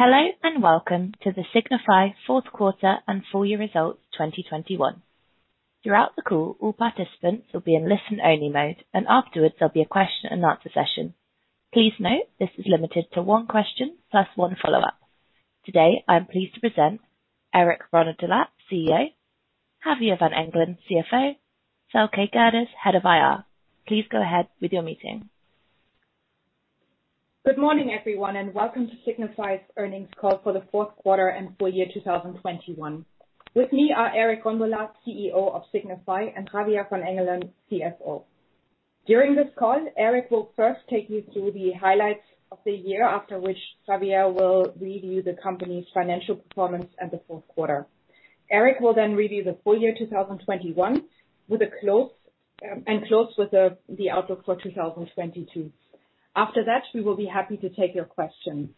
Hello, and welcome to the Signify Q4 and full year results 2021. Throughout the call, all participants will be in listen-only mode, and afterwards there'll be a question-and-answer session. Please note this is limited to one question, plus one follow-up. Today, I'm pleased to present Eric Rondolat, CEO. Javier van Engelen, CFO. Thelke Gerdes, Head of IR. Please go ahead with your meeting. Good morning, everyone, and welcome to Signify's earnings call for the Q4 and full year 2021. With me are Eric Rondolat, CEO of Signify, and Javier van Engelen, CFO. During this call, Eric will first take you through the highlights of the year, after which Javier will review the company's financial performance and the Q4. Eric will then review the full year 2021 and close with the outlook for 2022. After that, we will be happy to take your questions.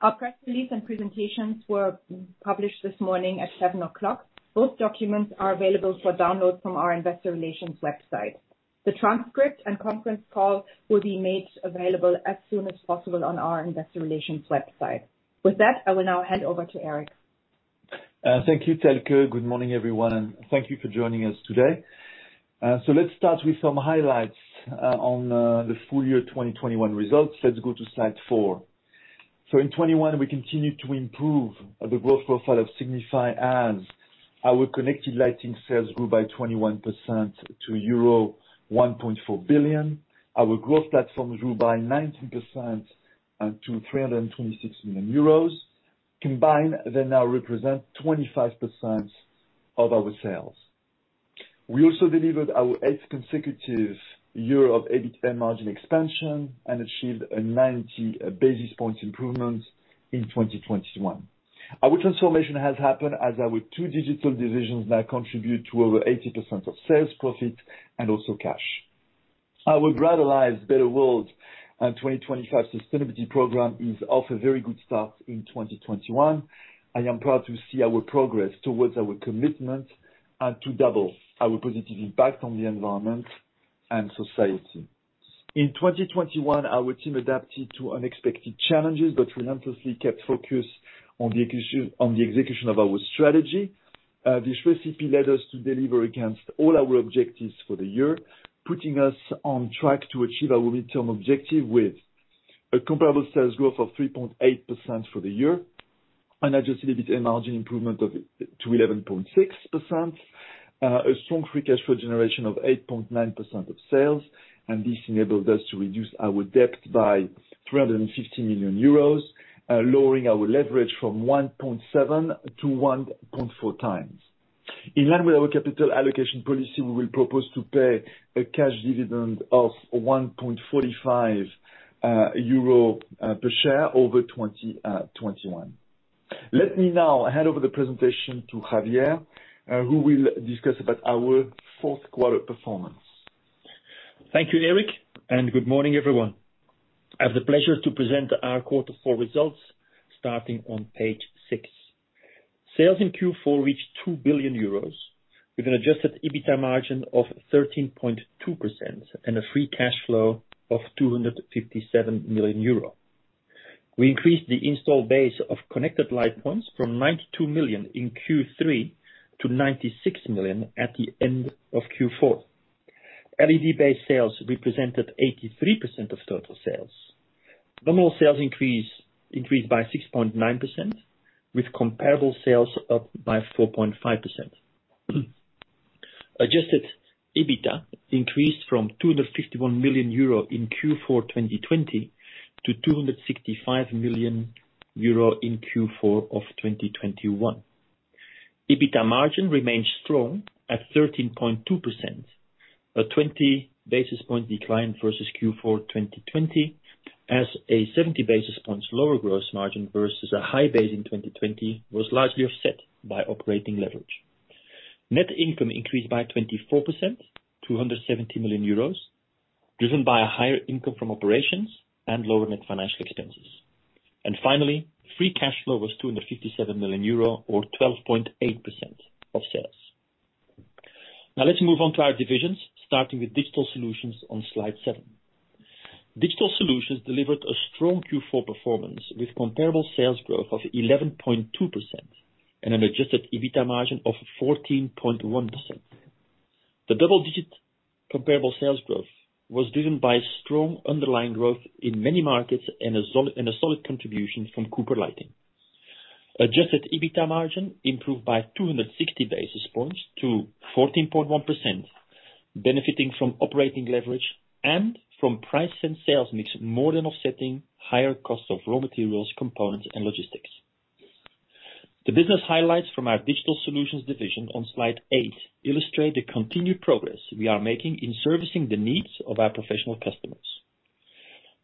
Our press release and presentations were published this morning at 7:00 A.M. Both documents are available for download from our investor relations website. The transcript and conference call will be made available as soon as possible on our investor relations website. With that, I will now hand over to Eric. Thank you, Thelke. Good morning, everyone, and thank you for joining us today. Let's start with some highlights on the full year 2021 results. Let's go to slide four. In 2021 we continued to improve the growth profile of Signify as our connected lighting sales grew by 21% to euro 1.4 billion. Our growth platforms grew by 19% to 326 million euros. Combined, they now represent 25% of our sales. We also delivered our eighth consecutive year of EBITA margin expansion and achieved a 90 basis points improvement in 2021. Our transformation has happened as our two digital divisions now contribute to over 80% of sales, profit, and also cash. Our Brighter Lives, Better World 2025 sustainability program is off to a very good start in 2021. I am proud to see our progress towards our commitment and to double our positive impact on the environment and society. In 2021, our team adapted to unexpected challenges but relentlessly kept focused on the execution of our strategy. This recipe led us to deliver against all our objectives for the year, putting us on track to achieve our midterm objective with a comparable sales growth of 3.8% for the year, an adjusted EBITA margin improvement of to 11.6%, a strong free cash flow generation of 8.9% of sales, and this enabled us to reduce our debt by 350 million euros, lowering our leverage from 1.7 to 1.4 times. In line with our capital allocation policy, we will propose to pay a cash dividend of 1.45 euro per share over 2021. Let me now hand over the presentation to Javier, who will discuss about our Q4 performance. Thank you, Eric, and good morning, everyone. I have the pleasure to present our quarter four results starting on page six. Sales in Q4 reached 2 billion euros with an adjusted EBITDA margin of 13.2% and a free cash flow of 257 million euro. We increased the installed base of connected light points from 92 million in Q3 to 96 million at the end of Q4. LED-based sales represented 83% of total sales. Nominal sales increased by 6.9%, with comparable sales up by 4.5%. Adjusted EBITDA increased from 251 million euro in Q4 2020 to 265 million euro in Q4 of 2021. EBITDA margin remains strong at 13.2%, a 20 basis points decline versus Q4 2020, as a 70 basis points lower gross margin versus a high base in 2020 was largely offset by operating leverage. Net income increased by 24%, to 170 million euros, driven by a higher income from operations and lower net financial expenses. Finally, free cash flow was 257 million euro or 12.8% of sales. Now let's move on to our divisions, starting with Digital Solutions on slide seven. Digital Solutions delivered a strong Q4 performance with comparable sales growth of 11.2% and an adjusted EBITDA margin of 14.1%. The double-digit comparable sales growth was driven by strong underlying growth in many markets and a solid contribution from Cooper Lighting. Adjusted EBITDA margin improved by 260 basis points to 14.1%, benefiting from operating leverage and from price and sales mix more than offsetting higher costs of raw materials, components, and logistics. The business highlights from our Digital Solutions division on slide eight illustrate the continued progress we are making in servicing the needs of our professional customers.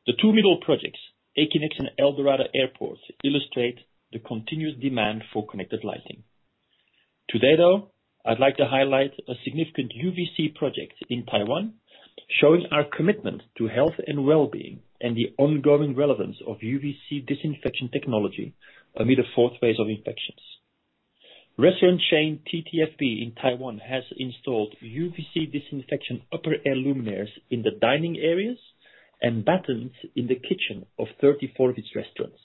The two middle projects, Interact and El Dorado Airport, illustrate the continuous demand for connected lighting. Today, though, I'd like to highlight a significant UV-C project in Taiwan, showing our commitment to health and well-being and the ongoing relevance of UV-C disinfection technology amid a fourth phase of infections. Restaurant chain TTFB in Taiwan has installed UV-C disinfection upper air luminaires in the dining areas and battens in the kitchen of 34 of its restaurants.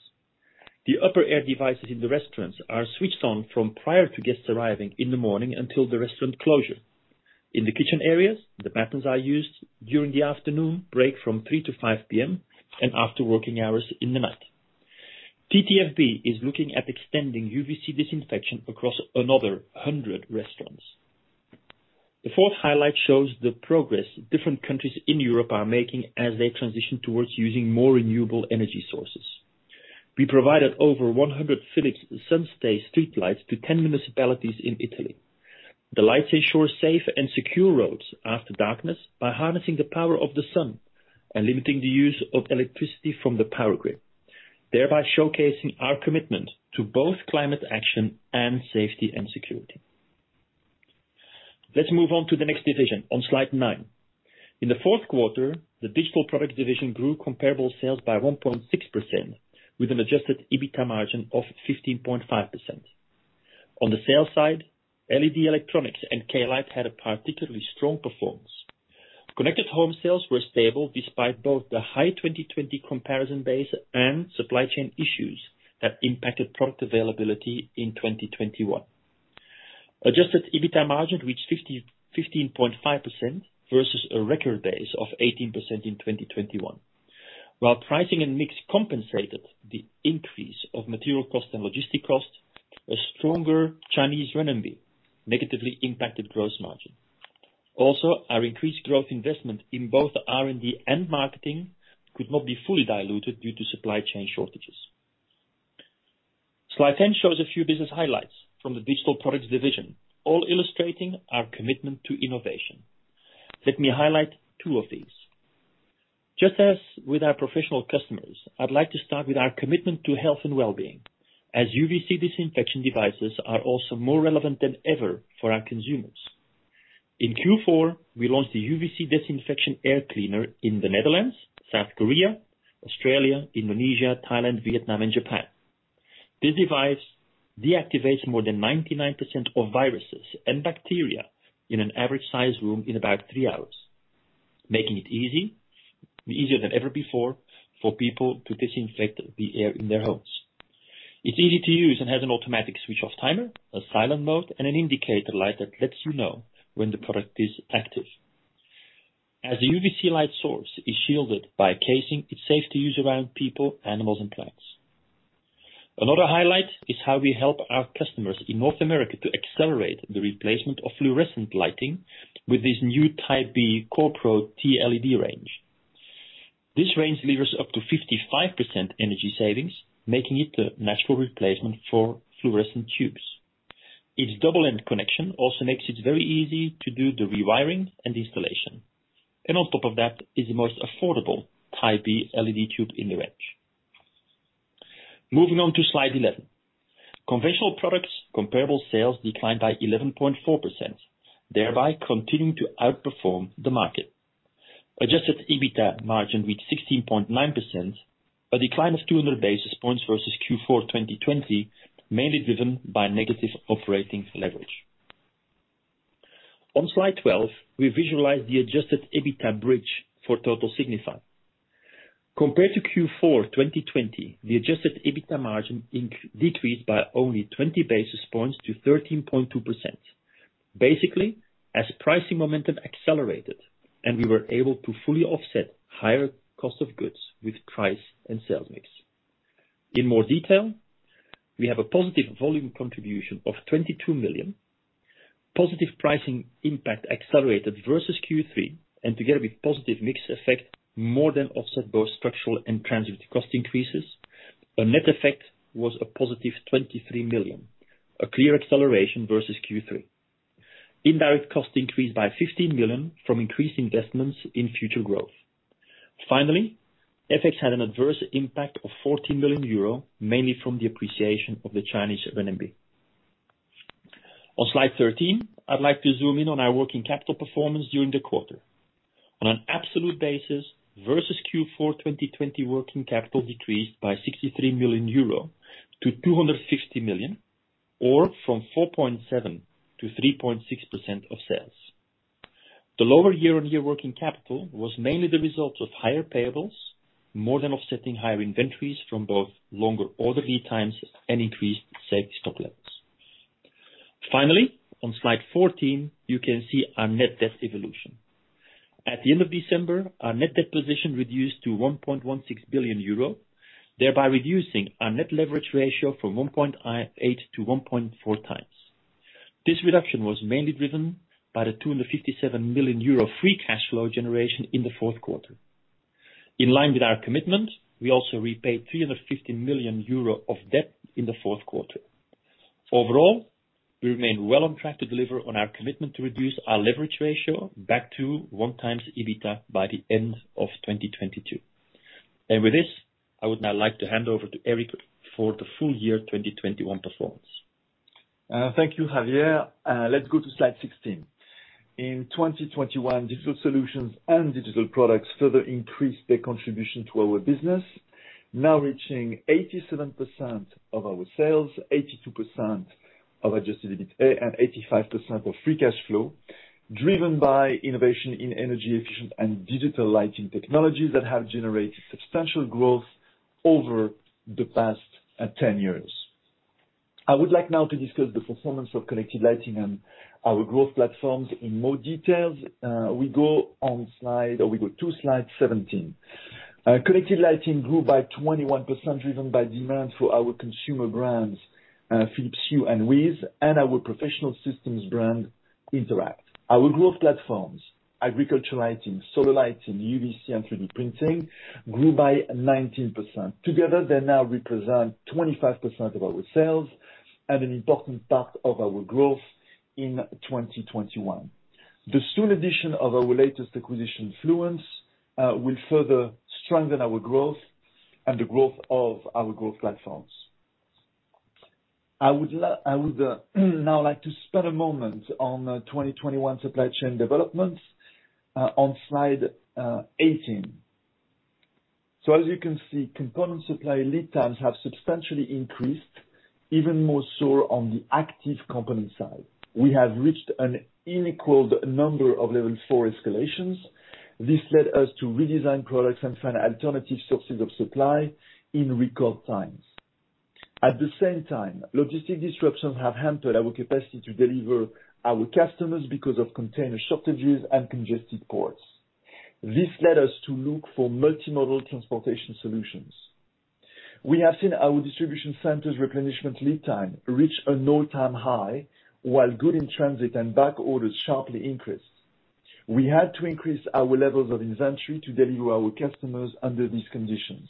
The upper air devices in the restaurants are switched on from prior to guests arriving in the morning until the restaurant closure. In the kitchen areas, the battens are used during the afternoon break from 3 P.M To 5 P.M. and after working hours in the night. TTFB is looking at extending UV-C disinfection across another 100 restaurants. The fourth highlight shows the progress different countries in Europe are making as they transition towards using more renewable energy sources. We provided over 100 Philips SunStay streetlights to 10 municipalities in Italy. The lights ensure safe and secure roads after darkness by harnessing the power of the sun and limiting the use of electricity from the power grid, thereby showcasing our commitment to both climate action and safety and security. Let's move on to the next division on slide nine. In the Q4, the Digital Products division grew comparable sales by 1.6% with an adjusted EBITDA margin of 15.5%. On the sales side, LED electronics and Klite had a particularly strong performance. Connected home sales were stable despite both the high 2020 comparison base and supply chain issues that impacted product availability in 2021. Adjusted EBITDA margin reached 15.5% versus a record base of 18% in 2021. While pricing and mix compensated the increase of material cost and logistic cost, a stronger Chinese renminbi negatively impacted gross margin. Also, our increased growth investment in both the R&D and marketing could not be fully diluted due to supply chain shortages. Slide 10 shows a few business highlights from the Digital Products division, all illustrating our commitment to innovation. Let me highlight two of these. Just as with our professional customers, I'd like to start with our commitment to health and well-being, as UV-C disinfection devices are also more relevant than ever for our consumers. In Q4, we launched the UV-C disinfection air cleaner in the Netherlands, South Korea, Australia, Indonesia, Thailand, Vietnam, and Japan. This device deactivates more than 99% of viruses and bacteria in an average-sized room in about three hours, making it easy, easier than ever before, for people to disinfect the air in their homes. It's easy to use and has an automatic switch-off timer, a silent mode, and an indicator light that lets you know when the product is active. As the UV-C light source is shielded by a casing, it's safe to use around people, animals, and plants. Another highlight is how we help our customers in North America to accelerate the replacement of fluorescent lighting with this new Type B CorePro TLED range. This range delivers up to 55% energy savings, making it the natural replacement for fluorescent tubes. Its double-end connection also makes it very easy to do the rewiring and installation. On top of that, it's the most affordable Type B LED tube in the range. Moving on to slide 11. Conventional Products comparable sales declined by 11.4%, thereby continuing to outperform the market. Adjusted EBITDA margin reached 16.9%, a decline of 200 basis points versus Q4 2020, mainly driven by negative operating leverage. On slide 12, we visualize the adjusted EBITDA bridge for total Signify. Compared to Q4 2020, the adjusted EBITDA margin decreased by only 20 basis points to 13.2%, basically as pricing momentum accelerated, and we were able to fully offset higher cost of goods with price and sales mix. In more detail, we have a positive volume contribution of 22 million. Positive pricing impact accelerated versus Q3, and together with positive mix effect, more than offset both structural and transitory cost increases. A net effect was a positive 23 million, a clear acceleration versus Q3. Indirect costs increased by 15 million from increased investments in future growth. Finally, FX had an adverse impact of 40 million euro, mainly from the appreciation of the Chinese renminbi. On slide 13, I'd like to zoom in on our working capital performance during the quarter. On an absolute basis versus Q4 2020 working capital decreased by 63 million euro to 250 million, or from 4.7% to 3.6% of sales. The lower year-on-year working capital was mainly the result of higher payables, more than offsetting higher inventories from both longer order lead times and increased safe stock levels. Finally, on slide 14, you can see our net debt evolution. At the end of December, our net debt position reduced to 1.16 billion euro, thereby reducing our net leverage ratio from 1.8-1.4 times. This reduction was mainly driven by the 257 million euro free cash flow generation in the Q4. In line with our commitment, we also repaid 350 million euro of debt in the Q4. Overall, we remain well on track to deliver on our commitment to reduce our leverage ratio back to 1 times EBITDA by the end of 2022. With this, I would now like to hand over to Eric for the full year 2021 performance. Thank you, Javier. Let's go to slide 16. In 2021, digital solutions and digital products further increased their contribution to our business, now reaching 87% of our sales, 82% of adjusted EBITA, and 85% of free cash flow, driven by innovation in energy efficient and digital lighting technologies that have generated substantial growth over the past 10 years. I would like now to discuss the performance of connected lighting and our growth platforms in more details. We go to slide 17. Connected lighting grew by 21% driven by demand for our consumer brands, Philips Hue and WiZ, and our professional systems brand Interact. Our growth platforms, agriculture lighting, solar lighting, UV-C, and three-D printing grew by 19%. Together, they now represent 25% of our sales and an important part of our growth in 2021. The soon addition of our latest acquisition, Fluence, will further strengthen our growth and the growth of our growth platforms. I would now like to spend a moment on the 2021 supply chain developments on slide 18. As you can see, component supply lead times have substantially increased even more so on the active component side. We have reached an unequaled number of level four escalations. This led us to redesign products and find alternative sources of supply in record times. At the same time, logistical disruptions have hampered our capacity to deliver our customers because of container shortages and congested ports. This led us to look for multimodal transportation solutions. We have seen our distribution centers' replenishment lead time reach an all-time high while goods in transit and back orders sharply increased. We had to increase our levels of inventory to deliver our customers under these conditions.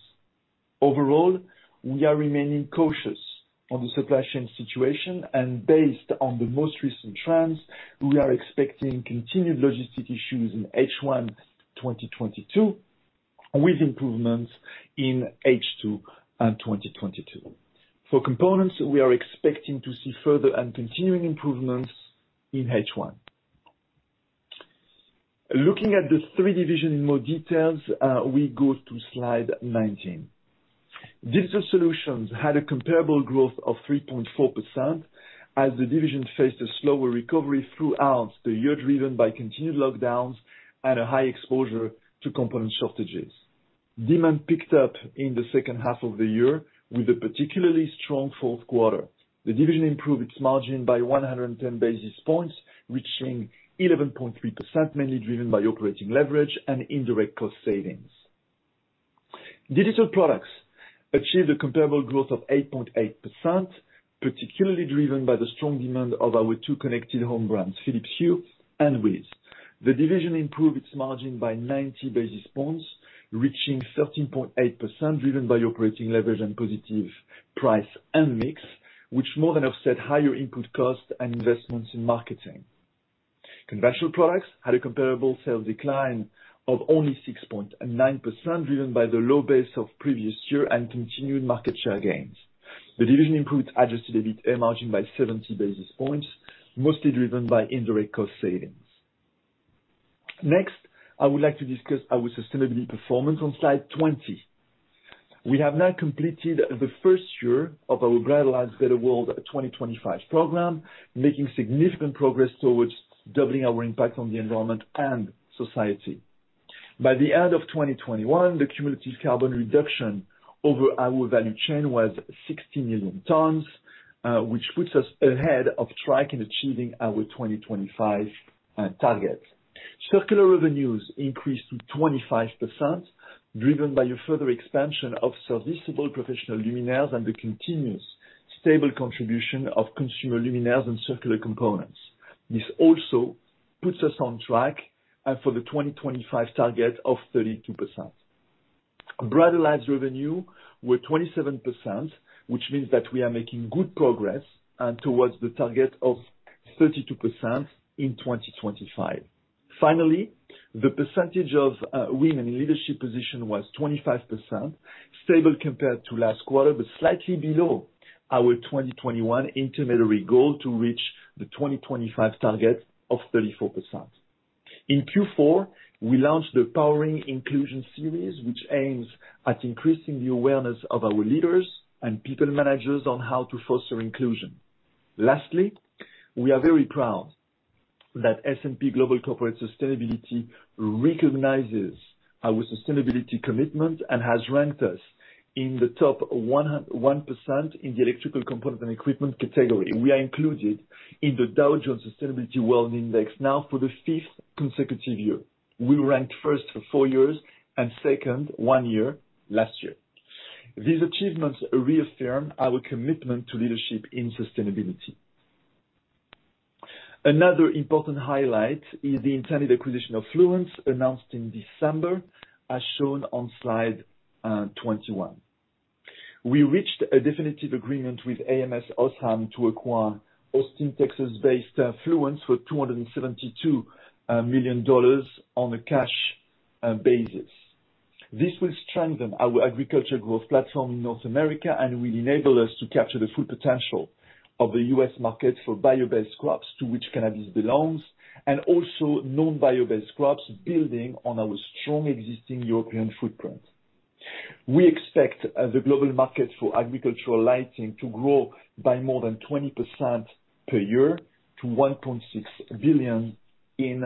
Overall, we are remaining cautious on the supply chain situation, and based on the most recent trends, we are expecting continued logistic issues in H1 2022, with improvements in H2 2022. For components, we are expecting to see further and continuing improvements in H1. Looking at the three divisions in more details, we go to slide 19. Digital Solutions had a comparable growth of 3.4% as the division faced a slower recovery throughout the year, driven by continued lockdowns and a high exposure to component shortages. Demand picked up in the second half of the year with a particularly strongQ4. The division improved its margin by 110 basis points, reaching 11.3%, mainly driven by operating leverage and indirect cost savings. Digital products achieved a comparable growth of 8.8%, particularly driven by the strong demand for our two connected home brands, Philips Hue and WiZ. The division improved its margin by 90 basis points, reaching 13.8% driven by operating leverage and positive price and mix, which more than offset higher input costs and investments in marketing. Conventional products had a comparable sales decline of only 6.9% driven by the low base of previous year and continued market share gains. The division improved adjusted EBITA margin by 70 basis points, mostly driven by indirect cost savings. Next, I would like to discuss our sustainability performance on slide 20. We have now completed the first year of our Brighter Lives, Better World 2025 program, making significant progress towards doubling our impact on the environment and society. By the end of 2021, the cumulative carbon reduction over our value chain was 60 million tons, which puts us ahead of target in achieving our 2025 targets. Circular revenues increased to 25%, driven by a further expansion of serviceable professional luminaires and the continuous stable contribution of consumer luminaires and circular components. This also puts us on track for the 2025 target of 32%. Brighter Lives revenue were 27%, which means that we are making good progress towards the target of 32% in 2025. Finally, the percentage of women in leadership position was 25%, stable compared to last quarter, but slightly below our 2021 interim goal to reach the 2025 target of 34%. In Q4, we launched the Powering Inclusion Series, which aims at increasing the awareness of our leaders and people managers on how to foster inclusion. Lastly, we are very proud that S&P Global Corporate Sustainability recognizes our sustainability commitment and has ranked us in the top 1% in the electrical component and equipment category. We are included in the Dow Jones Sustainability World Index now for the fifth consecutive year. We ranked first for four years and second one year last year. These achievements reaffirm our commitment to leadership in sustainability. Another important highlight is the intended acquisition of Fluence announced in December, as shown on slide 21. We reached a definitive agreement with ams OSRAM to acquire Austin, Texas-based Fluence for $272 million on a cash basis. This will strengthen our agriculture growth platform in North America and will enable us to capture the full potential of the US market for bio-based crops to which cannabis belongs, and also non-biobased crops, building on our strong existing European footprint. We expect the global market for agricultural lighting to grow by more than 20% per year to 1.6 billion in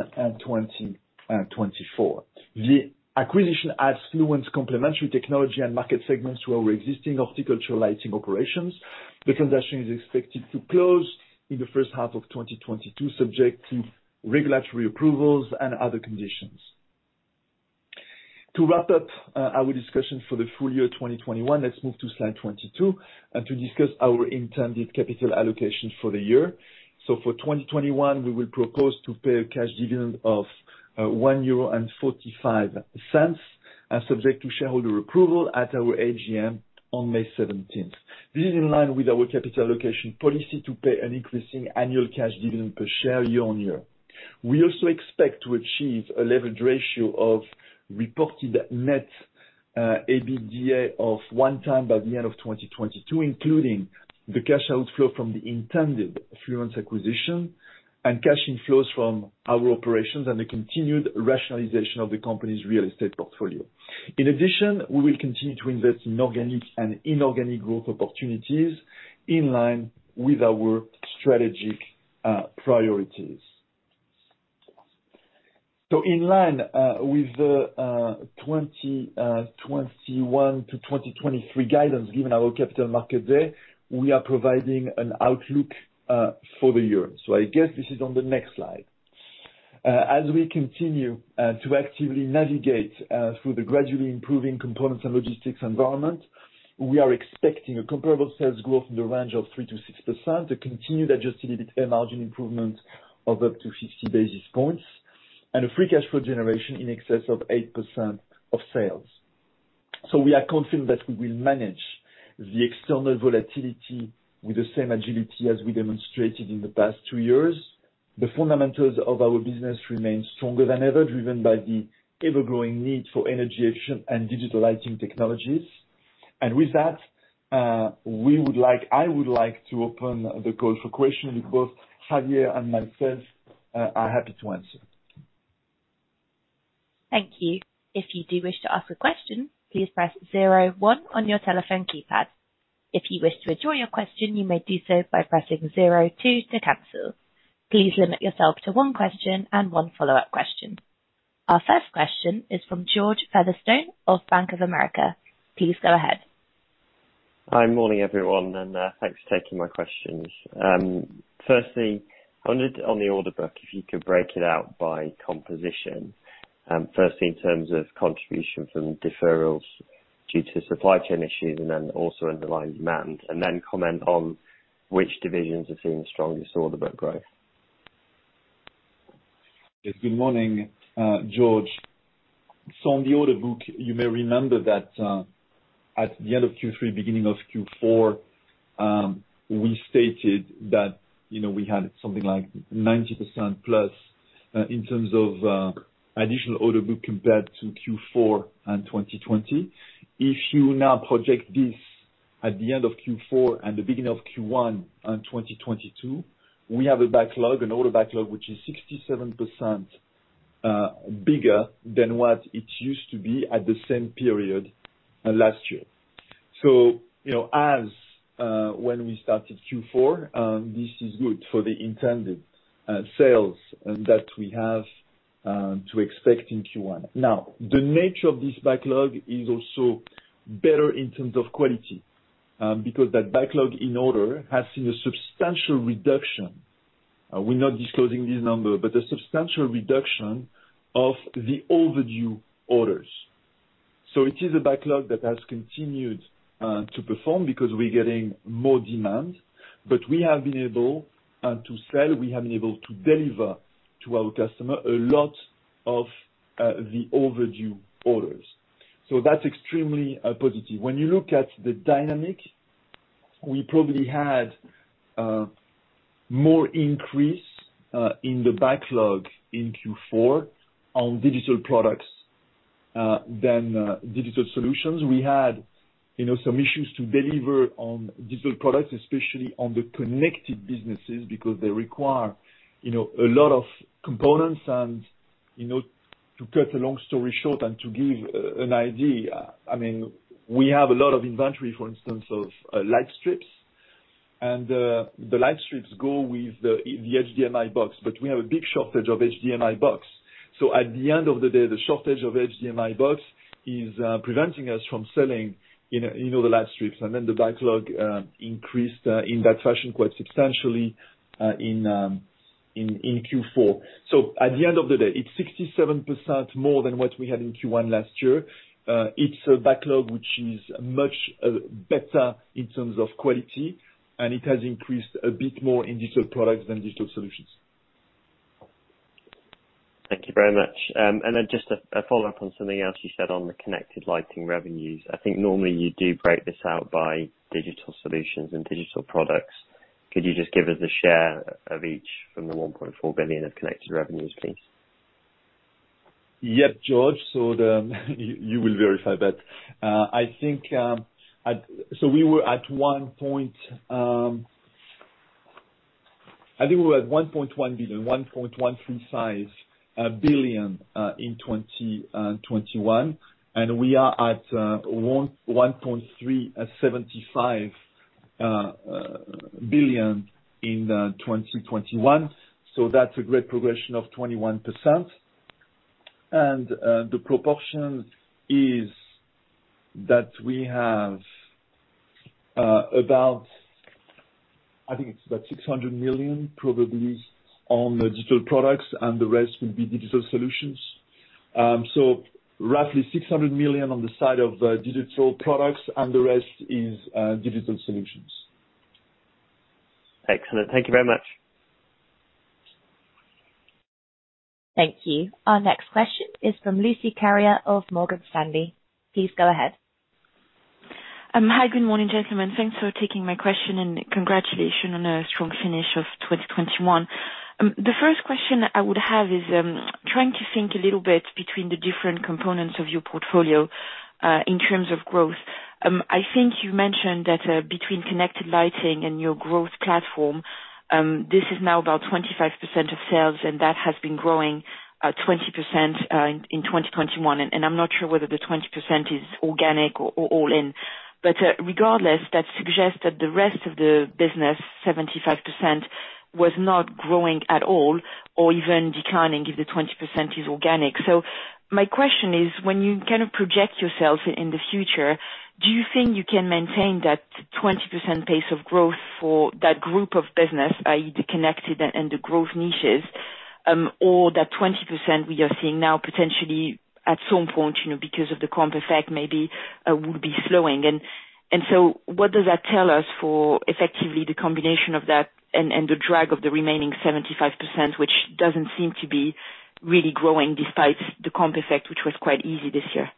2024. The acquisition adds Fluence complementary technology and market segments to our existing horticultural lighting operations. The transaction is expected to close in the first half of 2022, subject to regulatory approvals and other conditions. To wrap up our discussion for the full year 2021, let's move to slide 22 and to discuss our intended capital allocation for the year. For 2021, we will propose to pay a cash dividend of 1.45 euro, subject to shareholder approval at our AGM on May seventeenth. This is in line with our capital allocation policy to pay an increasing annual cash dividend per share year on year. We also expect to achieve a leverage ratio of reported net EBITA of 1x by the end of 2022, including the cash outflow from the intended Fluence acquisition and cash inflows from our operations and the continued rationalization of the company's real estate portfolio. In addition, we will continue to invest in organic and inorganic growth opportunities in line with our strategic priorities. In line with the 2021-2023 guidance given our capital market day, we are providing an outlook for the year. I guess this is on the next slide. As we continue to actively navigate through the gradually improving components and logistics environment, we are expecting a comparable sales growth in the range of 3%-6%, a continued adjusted EBITA margin improvement of up to 60 basis points, and a free cash flow generation in excess of 8% of sales. We are confident that we will manage the external volatility with the same agility as we demonstrated in the past two years. The fundamentals of our business remain stronger than ever, driven by the ever-growing need for energy efficient and digital lighting technologies. With that, I would like to open the call for questions, and both Javier and myself are happy to answer. Thank you. If you do wish to ask a question, please press zero one on your telephone keypad. If you wish to withdraw your question, you may do so by pressing zero two to cancel. Please limit yourself to one question and one follow-up question. Our first question is from George Featherstone of Bank of America. Please go ahead. Hi, morning, everyone, and thanks for taking my questions. Firstly, on the order book, if you could break it out by composition, firstly in terms of contribution from deferrals due to supply chain issues and then also underlying demand, and then comment on which divisions are seeing the strongest order book growth. Yes, good morning, George. On the order book, you may remember that at the end of Q3, beginning of Q4, we stated that, you know, we had something like 90%+ in terms of additional order book compared to Q4 in 2020. If you now project this at the end of Q4 and the beginning of Q1 in 2022, we have a backlog, an order backlog, which is 67% bigger than what it used to be at the same period last year. You know, as when we started Q4, this is good for the intended sales that we have to expect in Q1. Now, the nature of this backlog is also better in terms of quality, because the order backlog has seen a substantial reduction. We're not disclosing this number, but a substantial reduction of the overdue orders. It is a backlog that has continued to perform because we're getting more demand. We have been able to deliver to our customer a lot of the overdue orders. That's extremely positive. When you look at the dynamic, we probably had more increase in the backlog in Q4 on Digital Products than Digital Solutions. We had, you know, some issues to deliver on Digital Products, especially on the connected businesses, because they require, you know, a lot of components. You know, to cut a long story short and to give an idea, I mean, we have a lot of inventory, for instance, of light strips. The light strips go with the HDMI box, but we have a big shortage of HDMI box. At the end of the day, the shortage of HDMI box is preventing us from selling, you know, the light strips. The backlog increased in that fashion quite substantially in Q4. At the end of the day, it's 67% more than what we had in Q1 last year. It's a backlog which is much better in terms of quality, and it has increased a bit more in digital products than digital solutions. Thank you very much. Just a follow-up on something else you said on the connected lighting revenues. I think normally you do break this out by Digital Solutions and Digital Products. Could you just give us a share of each from the 1.4 billion of connected revenues, please? Yep, George. You will verify that. I think we were at one point 1.135 billion in 2021. We are at 1.375 billion in 2021. That's a great progression of 21%. The proportion is that we have about, I think it's about 600 million probably on Digital Products, and the rest will be Digital Solutions. Roughly 600 million on the side of Digital Products and the rest is Digital Solutions. Excellent. Thank you very much. Thank you. Our next question is from Lucie Carrier of Morgan Stanley. Please go ahead. Hi. Good morning, gentlemen. Thanks for taking my question, and congratulations on a strong finish of 2021. The first question I would have is trying to think a little bit between the different components of your portfolio in terms of growth. I think you mentioned that between connected lighting and your growth platform this is now about 25% of sales, and that has been growing 20% in 2021. I'm not sure whether the 20% is organic or all-in. Regardless, that suggests that the rest of the business, 75%, was not growing at all or even declining if the 20% is organic. My question is, when you kind of project yourselves in the future, do you think you can maintain that 20% pace of growth for that group of business, i.e. the connected and the growth niches, or that 20% we are seeing now potentially at some point, you know, because of the comp effect maybe, will be slowing? What does that tell us for effectively the combination of that and the drag of the remaining 75%, which doesn't seem to be really growing despite the comp effect, which was quite easy this year?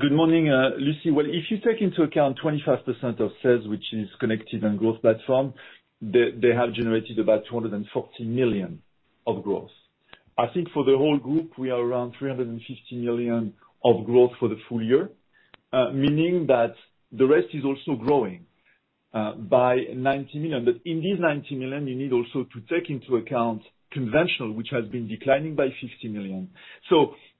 Good morning, Lucie. Well, if you take into account 25% of sales, which is connected and growth platform, they have generated about 240 million of growth. I think for the whole group we are around 350 million of growth for the full year, meaning that the rest is also growing by 90 million. In this 90 million, you need also to take into account conventional, which has been declining by 50 million.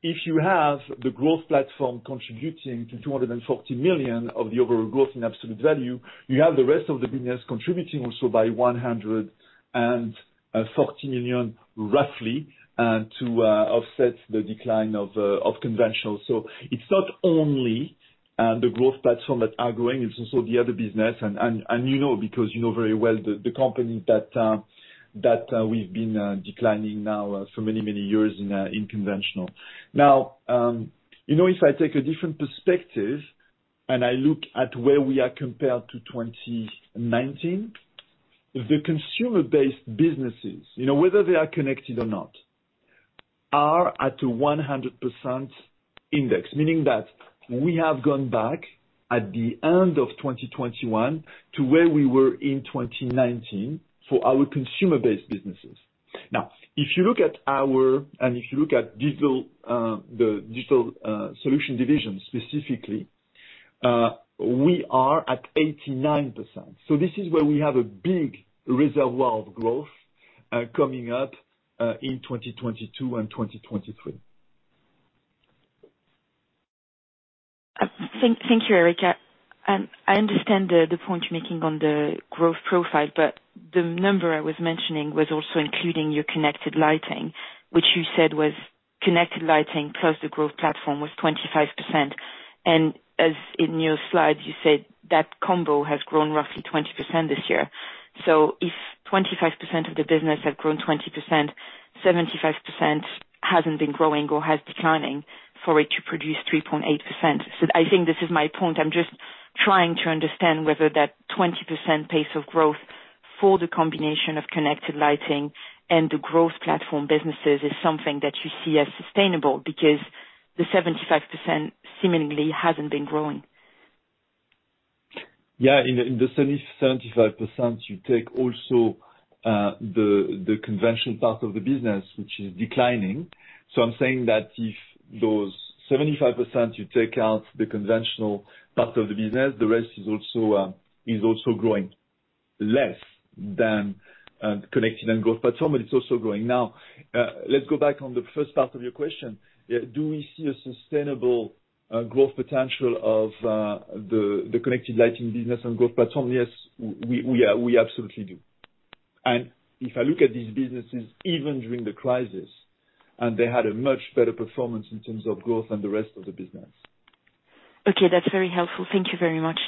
If you have the growth platform contributing to 240 million of the overall growth in absolute value, you have the rest of the business contributing also by 140 million roughly and to offset the decline of conventional. It's not only the growth platform that are growing, it's also the other business. You know, because you know very well the company that we've been declining now for many years in conventional. Now, you know, if I take a different perspective and I look at where we are compared to 2019, the consumer-based businesses, you know, whether they are connected or not, are at a 100% index, meaning that we have gone back at the end of 2021 to where we were in 2019 for our consumer-based businesses. Now, if you look at digital, the digital solution division specifically, we are at 89%. This is where we have a big reservoir of growth coming up in 2022 and 2023. Thank you, Eric. I understand the point you're making on the growth profile, but the number I was mentioning was also including your connected lighting, which you said was connected lighting plus the growth platform was 25%. As in your slide, you said that combo has grown roughly 20% this year. If 25% of the business have grown 20%, 75% hasn't been growing or has declining for it to produce 3.8%. I think this is my point. I'm just trying to understand whether that 20% pace of growth for the combination of connected lighting and the growth platform businesses is something that you see as sustainable because the 75% seemingly hasn't been growing. Yeah. In the 75%, you take also the conventional part of the business, which is declining. I'm saying that if those 75%, you take out the conventional part of the business, the rest is also growing less than connected and growth platform, and it's also growing. Now, let's go back on the first part of your question. Do we see a sustainable growth potential of the connected lighting business and growth platform? Yes, we absolutely do. If I look at these businesses, even during the crisis, they had a much better performance in terms of growth than the rest of the business. Okay. That's very helpful. Thank you very much.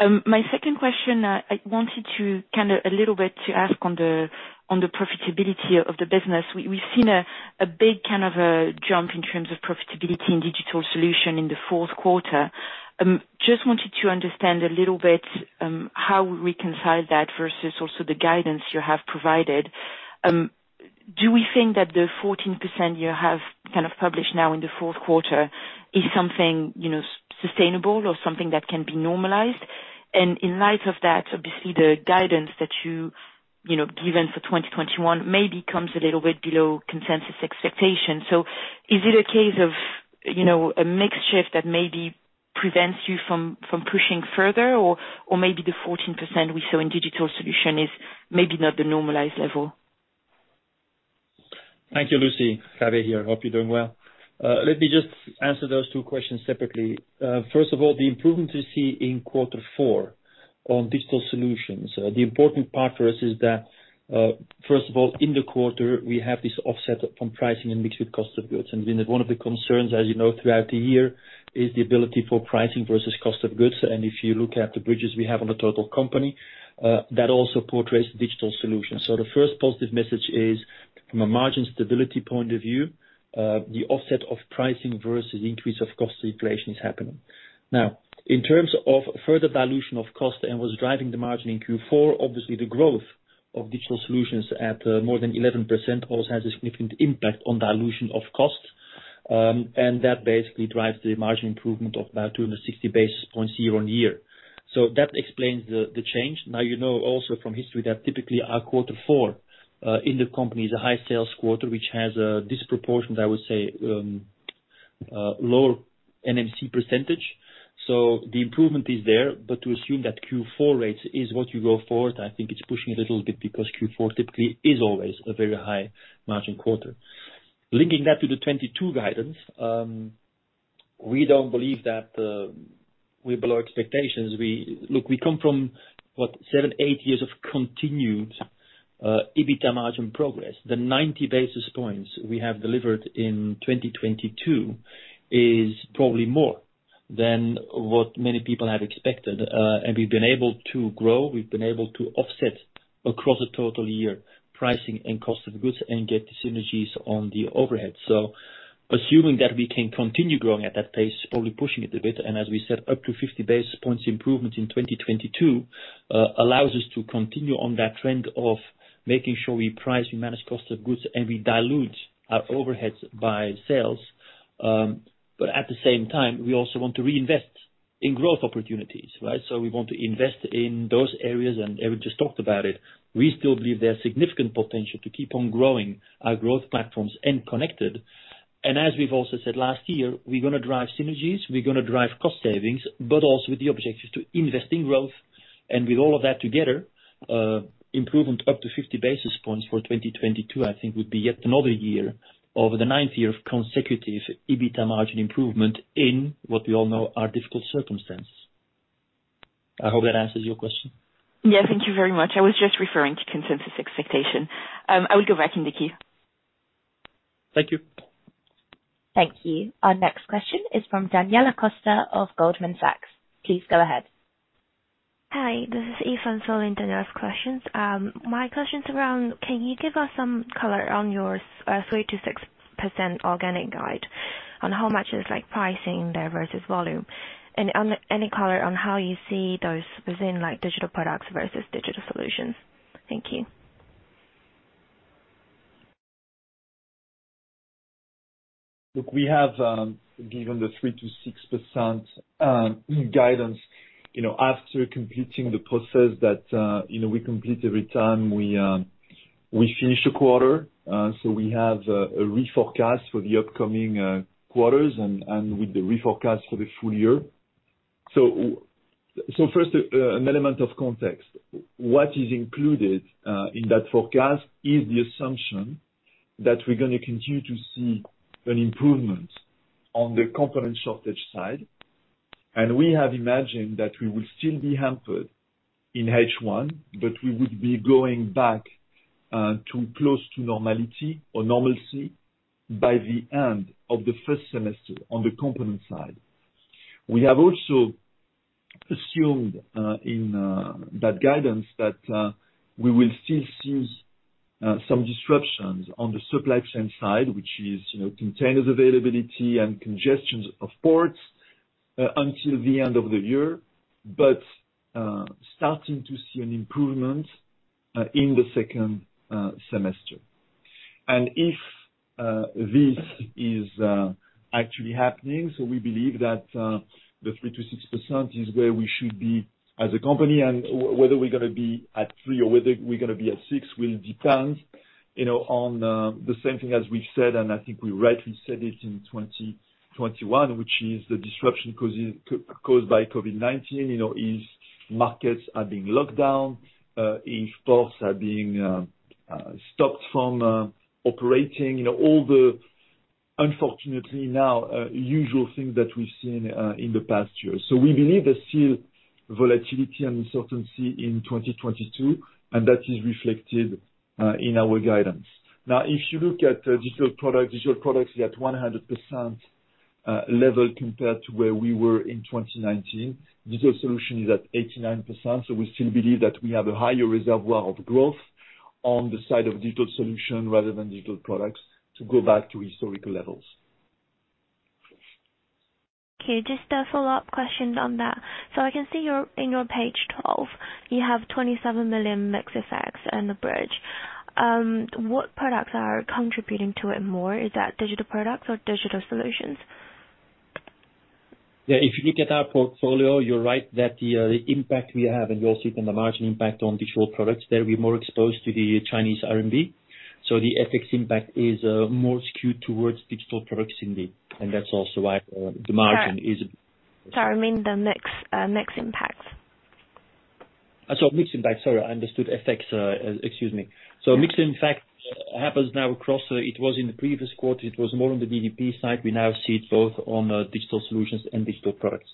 My second question, I wanted to kind of a little bit to ask on the profitability of the business. We've seen a big kind of a jump in terms of profitability in Digital Solutions in the Q4. Just wanted to understand a little bit, how we reconcile that versus also the guidance you have provided. Do we think that the 14% you have kind of published now in the Q4 is something, you know, sustainable or something that can be normalized? In light of that, obviously, the guidance that you know, given for 2021 maybe comes a little bit below consensus expectations. Is it a case of, you know, a mixed shift that maybe prevents you from pushing further or maybe the 14% we saw in Digital Solutions is maybe not the normalized level? Thank you, Lucie. Javier here. Hope you're doing well. Let me just answer those two questions separately. First of all, the improvement we see in quarter four on Digital Solutions, the important part for us is that, first of all, in the quarter, we have this offset from pricing and mix with cost of goods. You know, one of the concerns as you know throughout the year is the ability for pricing versus cost of goods. If you look at the bridges we have on the total company, that also portrays Digital Solutions. The first positive message is from a margin stability point of view, the offset of pricing versus increase of cost inflation is happening. Now, in terms of further dilution of cost and what's driving the margin in Q4, obviously the growth of Digital Solutions at more than 11% also has a significant impact on dilution of costs. That basically drives the margin improvement of about 260 basis points year-on-year. That explains the change. Now you know also from history that typically our quarter four in the company is a high sales quarter which has a disproportionate, I would say, lower NMC percentage. The improvement is there, but to assume that Q4 rates is what you go forward, I think it's pushing a little bit because Q4 typically is always a very high margin quarter. Linking that to the 2022 guidance, we don't believe that we're below expectations. Look, we come from, what? seven to eight years of continued EBITDA margin progress. The 90 basis points we have delivered in 2022 is probably more than what many people have expected. We've been able to grow, we've been able to offset across a total year pricing and cost of goods and get the synergies on the overhead. Assuming that we can continue growing at that pace, probably pushing it a bit, and as we said, up to 50 basis points improvement in 2022 allows us to continue on that trend of making sure we price, we manage cost of goods, and we dilute our overheads by sales. At the same time we also want to reinvest in growth opportunities, right? We want to invest in those areas, and Eric just talked about it. We still believe there's significant potential to keep on growing our growth platforms and connected. As we've also said last year, we're going to drive synergies, we're going to drive cost savings, but also with the objective to invest in growth. With all of that together, improvement up to 50 basis points for 2022, I think would be yet another year over the ninth year of consecutive EBITDA margin improvement in what we all know are difficult circumstances. I hope that answers your question. Yeah, thank you very much. I was just referring to consensus expectation. I will go back in the queue. Thank you. Thank you. Our next question is from Daniela Costa of Goldman Sachs. Please go ahead. Hi, this is Daniela Costa throwing the next questions. My question is around; can you give us some color on your 3%-6% organic guide on how much is like pricing there versus volume? Any color on how you see those within like Digital Products versus Digital Solutions? Thank you. Look, we have given the 3%-6% guidance, you know, after completing the process that, you know, we complete every time we finish a quarter. We have a reforecast for the upcoming quarters and with the reforecast for the full year. First, an element of context. What is included in that forecast is the assumption that we're going to continue to see an improvement on the component shortage side. We have imagined that we will still be hampered in H1, but we would be going back to close to normality or normalcy by the end of the first semester on the component side. We have also assumed in that guidance that we will still see some disruptions on the supply chain side, which is, you know, container availability and congestion of ports until the end of the year, but starting to see an improvement in the second semester. If this is actually happening, so we believe that the 3%-6% is where we should be as a company, and whether we're going to be at 3% or whether we're going to be at 6% will depend, you know, on the same thing as we've said, and I think we rightly said it in 2021, which is the disruption caused by COVID-19, you know, is markets are being locked down, imports are being stopped from operating. You know, all the, unfortunately, now usual things that we've seen in the past year. We believe there's still volatility and uncertainty in 2022, and that is reflected in our guidance. Now, if you look at Digital Products, we are at 100% level compared to where we were in 2019. Digital Solutions is at 89%, so we still believe that we have a higher reservoir of growth on the side of Digital Solutions rather than Digital Products to go back to historical levels. Okay, just a follow-up question on that. I can see, in your page 12, you have 27 million mix effects in the bridge. What products are contributing to it more? Is that Digital Products or Digital Solutions? Yeah, if you look at our portfolio, you're right that the impact we have, and you will see it in the margin impact on Digital Products. They'll be more exposed to the Chinese RMB. The FX impact is more skewed towards Digital Products indeed, and that's also why the margin is. Sorry, I mean the mix impact. I thought mix impact. Sorry, I understood effects. Excuse me. Mix impact happens now across. It was in the previous quarter, it was more on the DDP side. We now see it both on Digital Solutions and Digital Products.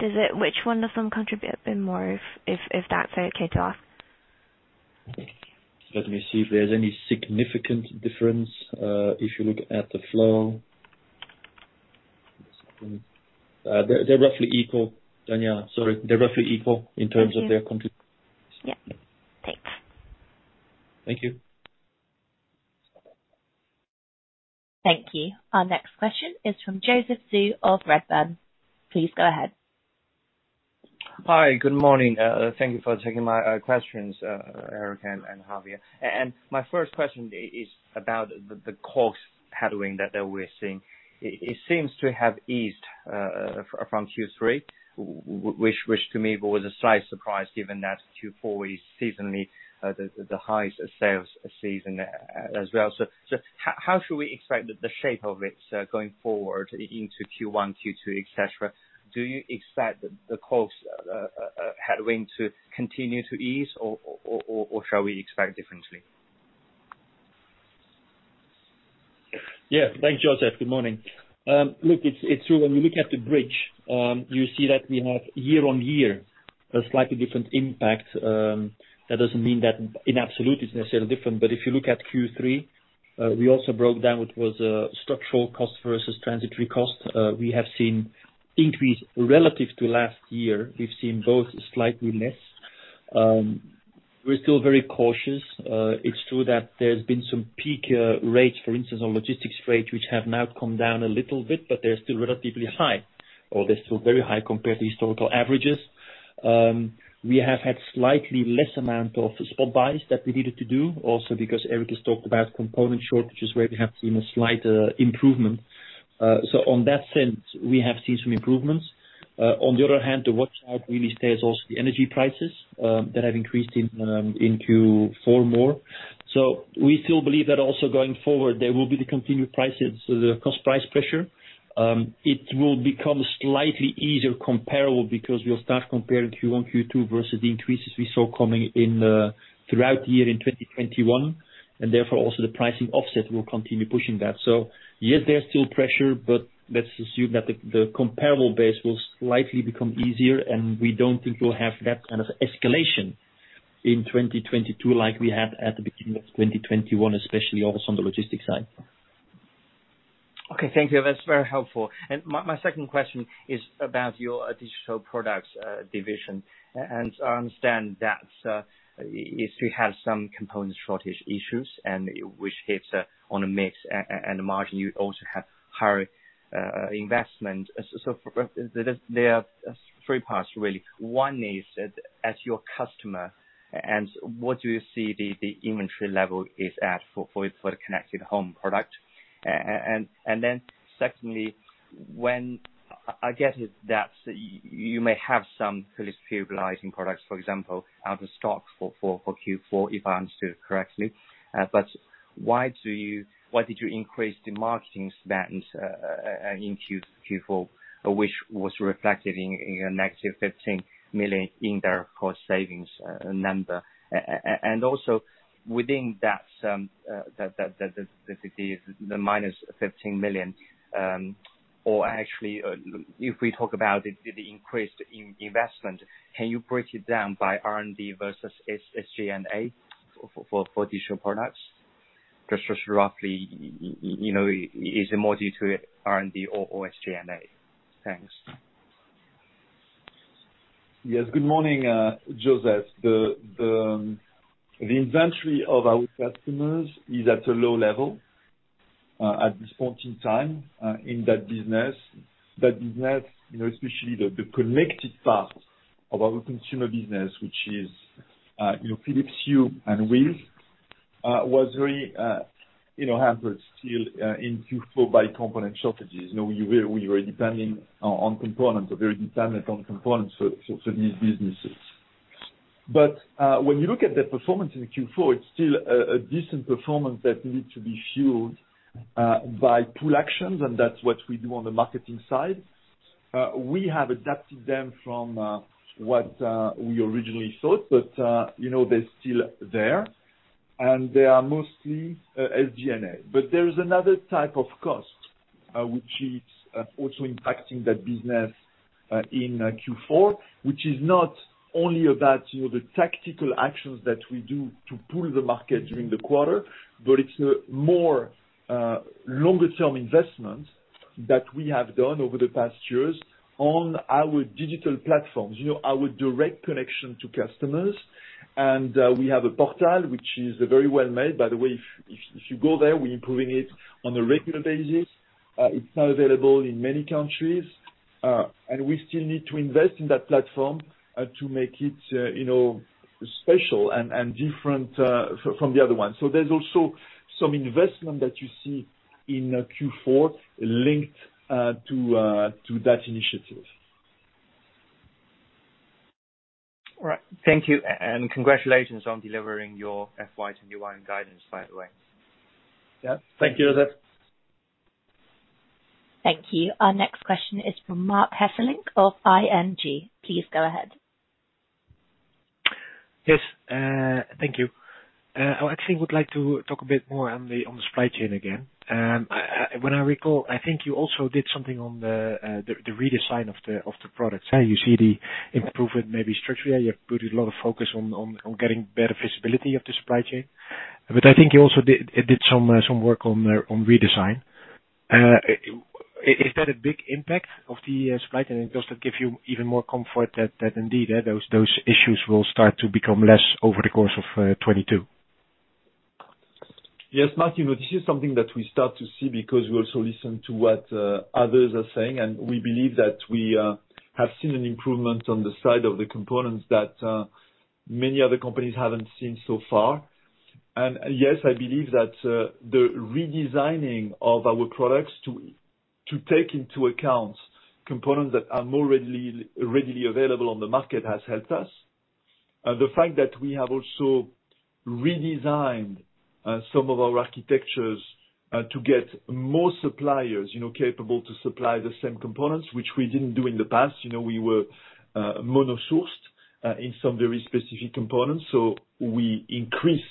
Which one of them contribute a bit more, if that's okay to ask? Let me see if there's any significant difference, if you look at the flow. They're roughly equal, Daniela. Sorry. They're roughly equal in terms- Thank you. Of their contribution. Yeah. Thanks. Thank you. Thank you. Our next question is from Joseph Zhou of Redburn. Please go ahead. Hi. Good morning. Thank you for taking my questions, Eric and Javier. My first question is about the cost headwind that we're seeing. It seems to have eased from Q3, which to me was a slight surprise given that Q4 is seasonally the highest sales season as well. How should we expect the shape of it going forward into Q1, Q2, et cetera? Do you expect the cost headwind to continue to ease or shall we expect differently? Yeah. Thanks, Joseph. Good morning. Look, it's true when you look at the bridge, you see that we have year-on-year a slightly different impact. That doesn't mean that in absolute it's necessarily different, but if you look at Q3, we also broke down what was structural cost versus transitory cost. We have seen increase relative to last year. We've seen both slightly less. We're still very cautious. It's true that there's been some peak rates, for instance on logistics rates, which have now come down a little bit, but they're still relatively high, or they're still very high compared to historical averages. We have had slightly less amount of spot buys that we needed to do also because Eric has talked about component shortages where we have seen a slight improvement. In that sense, we have seen some improvements. On the other hand, the watch out really stays also the energy prices that have increased in Q4 more. We still believe that also going forward there will be the continued prices, the cost price pressure. It will become slightly easier comparables because we'll start comparing Q1, Q2 versus the increases we saw coming in throughout the year in 2021, and therefore also the pricing offset will continue pushing that. Yes, there's still pressure, but let's assume that the comparable base will slightly become easier, and we don't think we'll have that kind of escalation in 2022 like we had at the beginning of 2021, especially also on the logistics side. Okay, thank you. That's very helpful. My second question is about your Digital Products division. I understand that you still have some component shortage issues and which hits on the mix and the margin. You also have higher investment. There are three parts really. One is as your customer and what do you see the inventory level is at for the connected home product? Then secondly, I get it that you may have some Philips Hue lighting products, for example, out of stock for Q4, if I understood correctly. Why did you increase the marketing spend in Q4 which was reflected in a negative 15 million in their cost savings number? Also within that, the minus 15 million, or actually, if we talk about the increased investment, can you break it down by R&D versus SG&A for Digital Products? Just roughly, you know, is it more due to R&D or SG&A? Thanks. Yes. Good morning, Joseph. The inventory of our customers is at a low level, at this point in time, in that business. That business, you know, especially the connected part of our consumer business, which is, you know, Philips Hue and WiZ, was very, you know, hampered still, in Q4 by component shortages. You know, we were depending on components or very dependent on components for these businesses. When you look at the performance in Q4, it's still a decent performance that need to be fueled by pull actions, and that's what we do on the marketing side. We have adapted them from what we originally thought, but, you know, they're still there and they are mostly SG&A. There is another type of cost, which is also impacting that business in Q4, which is not only about, you know, the tactical actions that we do to pull the market during the quarter, but it's a more longer term investment that we have done over the past years on our digital platforms, you know, our direct connection to customers. We have a portal which is very well made, by the way. If you go there, we're improving it on a regular basis. It's now available in many countries. We still need to invest in that platform to make it, you know, special and different from the other one. There's also some investment that you see in Q4 linked to that initiative. All right. Thank you, and congratulations on delivering your FY 21 guidance, by the way. Yeah. Thank you, Joseph. Thank you. Our next question is from Marc Hesselink of ING. Please go ahead. Yes, thank you. I actually would like to talk a bit more on the supply chain again. When I recall, I think you also did something on the redesign of the products. How you see the improvement, maybe structurally, you have put a lot of focus on getting better visibility of the supply chain. I think you also did some work on redesign. Is that a big impact on the supply chain, and does that give you even more comfort that indeed those issues will start to become less over the course of 2022? Yes, Marc, you know, this is something that we start to see because we also listen to what others are saying, and we believe that we have seen an improvement on the side of the components that many other companies haven't seen so far. Yes, I believe that the redesigning of our products to take into account components that are more readily available on the market has helped us. The fact that we have also redesigned some of our architectures to get more suppliers, you know, capable to supply the same components, which we didn't do in the past. You know, we were mono-sourced in some very specific components, so we increased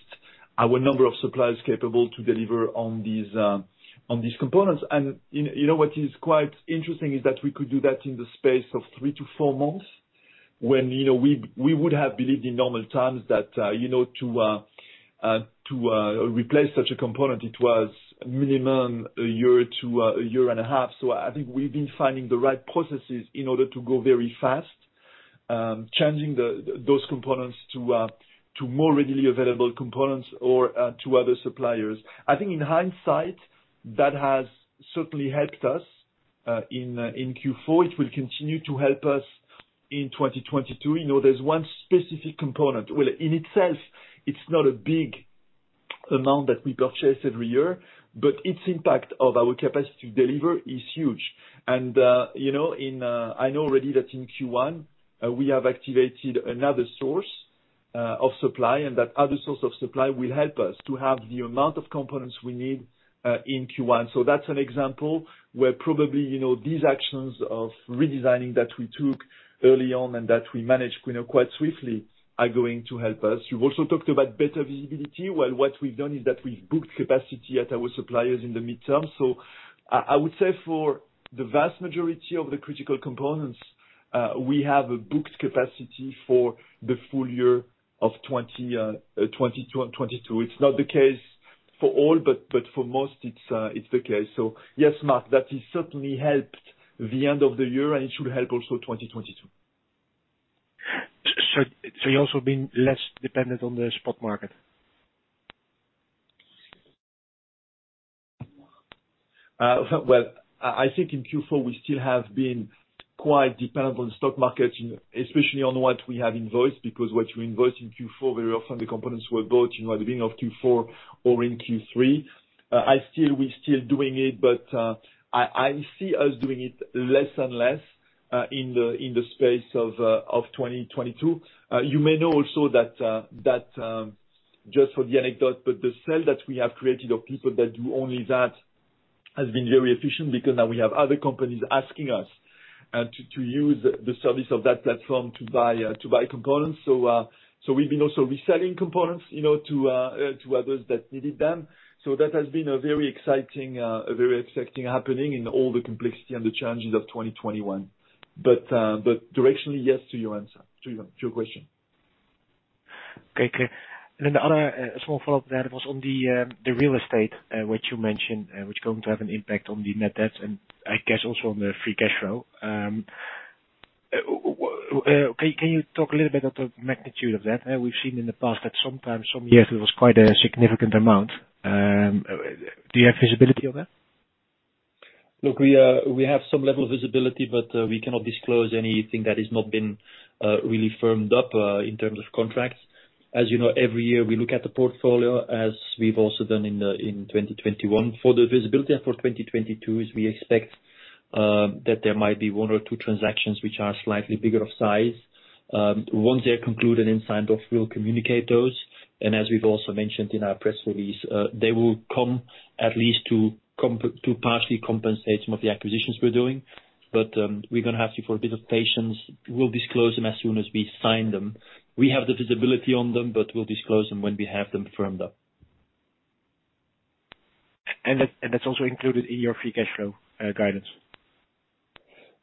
our number of suppliers capable to deliver on these components. You know what is quite interesting is that we could do that in the space of three to four months when, you know, we would have believed in normal times that, you know, to replace such a component, it was minimum a year to a year and a half. I think we've been finding the right processes in order to go very fast, changing those components to more readily available components or to other suppliers. I think in hindsight, that has certainly helped us in Q4. It will continue to help us in 2022. You know, there's one specific component. Well, in itself, it's not a big amount that we purchase every year, but its impact on our capacity to deliver is huge. You know, in. I know already that in Q1, we have activated another source of supply, and that other source of supply will help us to have the amount of components we need in Q1. That's an example where probably, you know, these actions of redesigning that we took early on and that we managed, you know, quite swiftly are going to help us. You also talked about better visibility. Well, what we've done is that we've booked capacity at our suppliers in the midterm. I would say for the vast majority of the critical components, we have a booked capacity for the full year of 2021-2022. It's not the case for all, but for most it's the case. Yes, Marc, that has certainly helped the end of the year, and it should help also 2022. You also been less dependent on the stock market? Well, I think in Q4, we still have been quite dependent on spot market, especially on what we have invoiced, because what you invoice in Q4, very often the components were bought, you know, at the beginning of Q4 or in Q3. We're still doing it, but I see us doing it less and less in the space of 2022. You may know also that just for the anecdote, the cell that we have created of people that do only that has been very efficient because now we have other companies asking us to use the service of that platform to buy components. We've been also reselling components, you know, to others that needed them. That has been a very exciting happening in all the complexity and the challenges of 2021. Directionally, yes to your question. Okay. The other small follow-up that was on the real estate, which you mentioned, which is going to have an impact on the net debt and I guess also on the free cash flow. Can you talk a little bit on the magnitude of that? We've seen in the past that sometimes some years it was quite a significant amount. Do you have visibility of that? Look, we have some level of visibility, but we cannot disclose anything that has not been really firmed up in terms of contracts. As you know, every year, we look at the portfolio as we've also done in 2021. For the visibility and for 2022 is we expect that there might be one or two transactions which are slightly bigger of size. Once they're concluded and signed off, we'll communicate those. As we've also mentioned in our press release, they will come at least to partially compensate some of the acquisitions we're doing. We're going to ask you for a bit of patience. We'll disclose them as soon as we sign them. We have the visibility on them, but we'll disclose them when we have them firmed up. That's also included in your free cash flow guidance?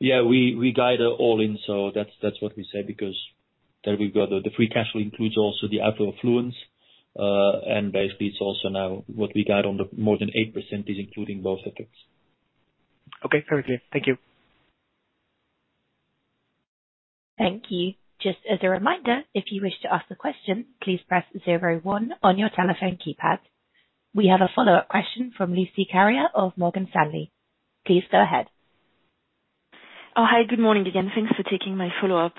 Yeah, we guide all in. That's what we say because there we've got the free cash flow includes also the outflow Fluence, and basically it's also now what we guide on the more than 8% is including both effects. Okay. Very clear. Thank you. Thank you. Just as a reminder, if you wish to ask a question, please press zero-one on your telephone keypad. We have a follow-up question from Lucie Carrier of Morgan Stanley. Please go ahead. Oh, hi. Good morning again. Thanks for taking my follow-up.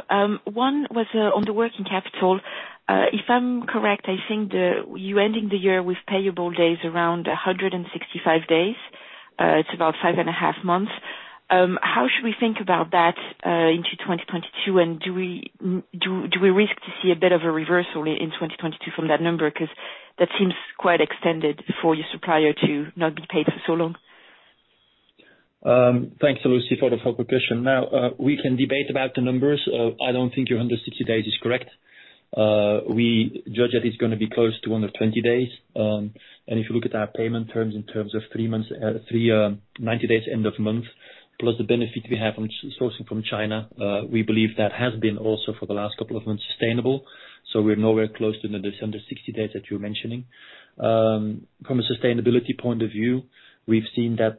One was on the working capital. If I'm correct, I think you're ending the year with payable days around 165 days. It's about five and a half months. How should we think about that into 2022, and do we risk to see a bit of a reversal in 2022 from that number? 'Cause that seems quite extended for your supplier to not get paid for so long. Thanks, Lucie, for the follow-up question. Now, we can debate about the numbers. I don't think your 160 days is correct. We judge that it's going to be close to under 20 days. If you look at our payment terms in terms of three months, 90 days end of month, plus the benefit we have from sourcing from China, we believe that has been also for the last couple of months sustainable, so we're nowhere close to the under 60 days that you're mentioning. From a sustainability point of view, we've seen that,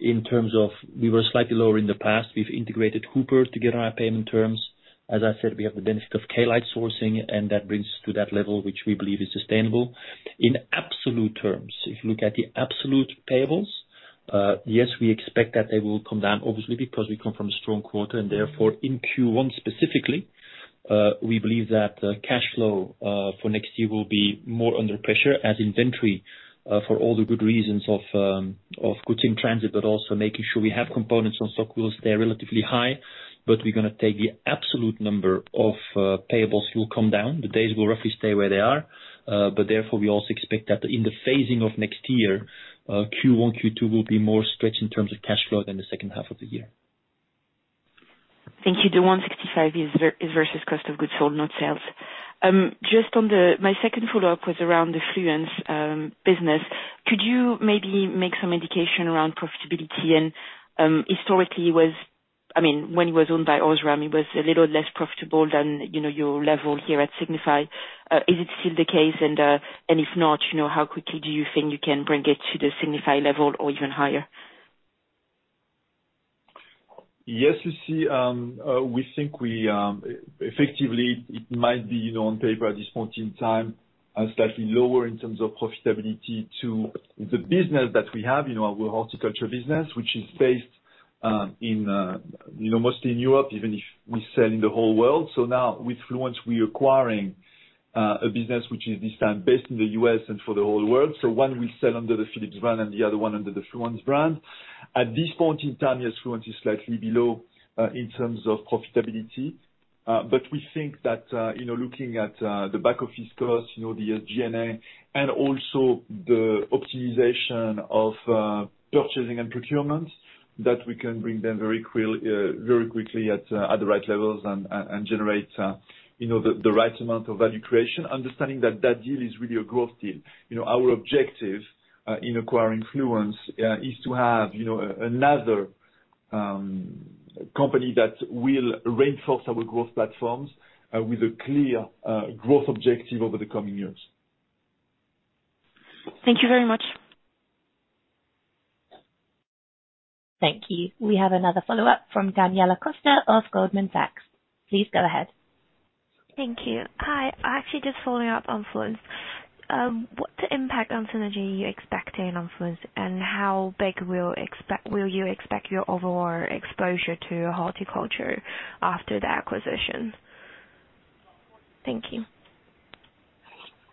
in terms of we were slightly lower in the past. We've integrated Cooper to get on our payment terms. As I said, we have the benefit of Klite sourcing, and that brings to that level, which we believe is sustainable. In absolute terms, if you look at the absolute payables, yes, we expect that they will come down, obviously, because we come from a strong quarter, and therefore, in Q1 specifically, we believe that cash flow for next year will be more under pressure as inventory, for all the good reasons of goods in transit, but also making sure we have components in stock, will stay relatively high. The absolute number of payables will come down. The days will roughly stay where they are. Therefore, we also expect that in the phasing of next year, Q1, Q2 will be more stretched in terms of cash flow than the second half of the year. Thank you. The 165 is versus cost of goods sold, not sales. My second follow-up was around the Fluence business. Could you maybe make some indication around profitability? Historically, I mean, when it was owned by ams OSRAM, it was a little less profitable than, you know, your level here at Signify. Is it still the case? If not, you know, how quickly do you think you can bring it to the Signify level or even higher? Yes, Lucie. We think effectively it might be, you know, on paper at this point in time, slightly lower in terms of profitability to the business that we have, you know, our horticulture business, which is based in, you know, mostly in Europe, even if we sell in the whole world. Now with Fluence, we're acquiring a business which is this time based in the U.S. and for the whole world. One we sell under the Philips brand, and the other one under the Fluence brand. At this point in time, yes, Fluence is slightly below in terms of profitability. We think that, you know, looking at the back office costs, you know, the G&A and also the optimization of purchasing and procurement, that we can bring them very quickly at the right levels and generate, you know, the right amount of value creation, understanding that that deal is really a growth deal. You know, our objective in acquiring Fluence is to have, you know, another company that will reinforce our growth platforms with a clear growth objective over the coming years. Thank you very much. Thank you. We have another follow-up from Daniela Costa of Goldman Sachs. Please go ahead. Thank you. Hi. Actually just following up on Fluence. What impact on synergy are you expecting on Fluence, and how big will you expect your overall exposure to horticulture after the acquisition? Thank you.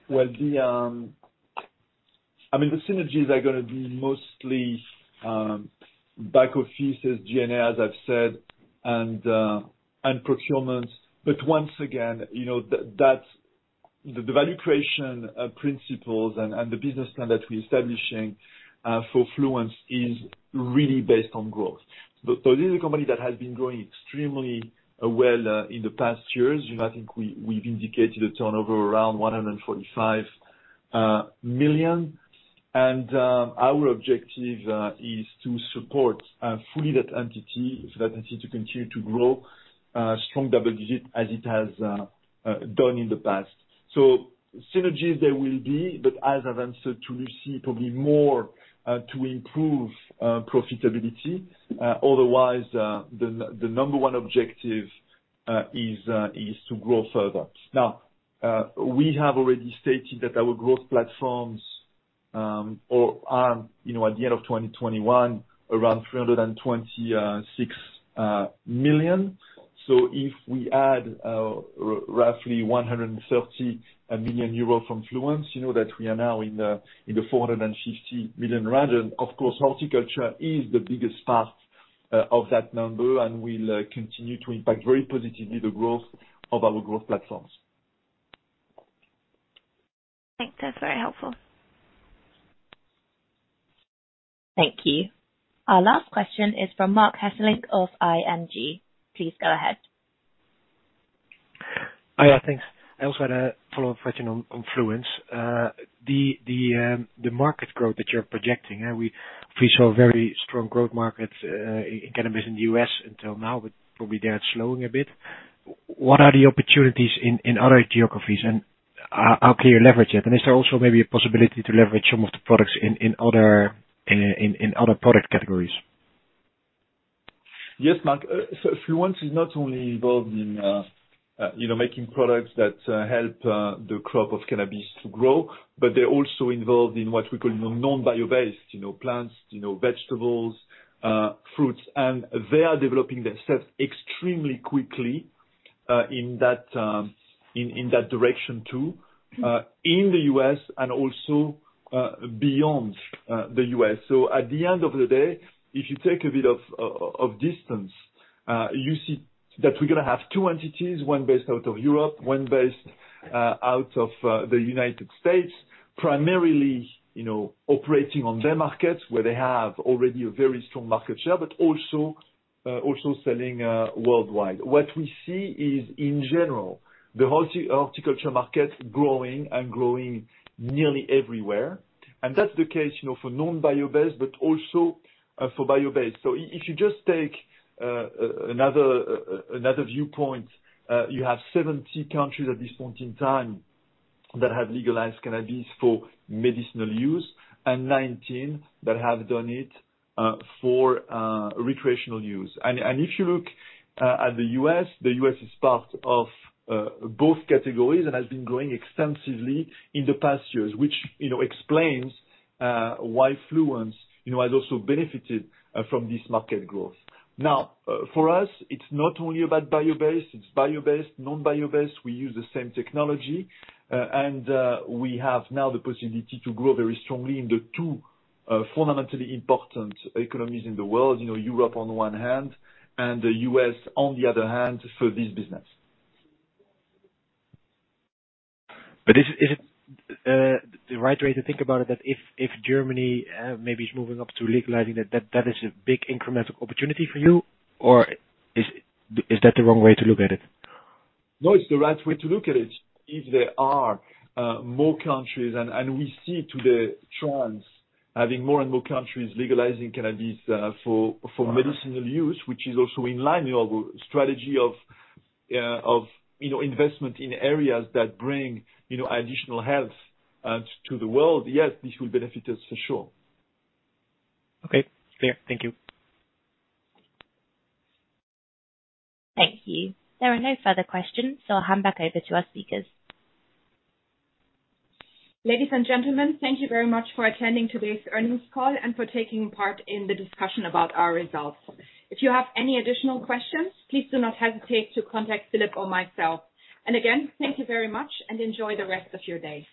The synergies are going to be mostly back offices, G&A, as I've said, and procurement. Once again, that’s the value creation principles and the business plan that we're establishing for Fluence is really based on growth. This is a company that has been growing extremely well in the past years. I think we’ve indicated a turnover around 145 million. Our objective is to support fully that entity, for that entity to continue to grow strong double digits as it has done in the past. Synergies there will be, but as I've answered to Lucie, probably more to improve profitability, otherwise the number one objective is to grow further. Now, we have already stated that our growth platforms are, you know, at the end of 2021, around 326 million. So if we add roughly 130 million euro from Fluence, you know that we are now in the 450 million. Of course, horticulture is the biggest part of that number and will continue to impact very positively the growth of our growth platforms. Thanks. That's very helpful. Thank you. Our last question is from Marc Hesselink of ING. Please go ahead. Hi, thanks. I also had a follow-up question on Fluence. The market growth that you're projecting, we saw very strong growth markets in cannabis in the U.S. until now, but probably they are slowing a bit. What are the opportunities in other geographies? How can you leverage it? Is there also maybe a possibility to leverage some of the products in other product categories? Yes, Marc. Fluence is not only involved in, you know, making products that help the crop of cannabis to grow, but they're also involved in what we call non-bio-based, you know, plants, you know, vegetables, fruits. They are developing themselves extremely quickly in that direction too, in the U.S. and also beyond the U.S. At the end of the day, if you take a bit of distance, you see that we're going to have two entities, one based out of Europe, one based out of the United States, primarily, you know, operating on their markets, where they have already a very strong market share, but also selling worldwide. What we see is, in general, the whole horticulture market growing and growing nearly everywhere. That's the case, you know, for non-bio-based, but also for bio-based. If you just take another viewpoint, you have 70 countries at this point in time that have legalized cannabis for medicinal use and 19 that have done it for recreational use. If you look at the U.S., the U.S. is part of both categories and has been growing extensively in the past years, which, you know, explains why Fluence, you know, has also benefited from this market growth. Now, for us, it's not only about bio-based, it's bio-based, non-bio-based. We use the same technology. And we have now the possibility to grow very strongly in the two fundamentally important economies in the world, you know, Europe on one hand, and the U.S. on the other hand for this business. Is it the right way to think about it that if Germany maybe is moving up to legalizing that is a big incremental opportunity for you? Or is that the wrong way to look at it? No, it's the right way to look at it. If there are more countries and we see the trends having more and more countries legalizing cannabis for medicinal use, which is also in line, you know, with strategy of you know investment in areas that bring you know additional health to the world. Yes, this will benefit us for sure. Okay. Clear. Thank you. Thank you. There are no further questions, so I'll hand back over to our speakers. Ladies and gentlemen, thank you very much for attending today's earnings call and for taking part in the discussion about our results. If you have any additional questions, please do not hesitate to contact Philip or myself. Again, thank you very much and enjoy the rest of your day.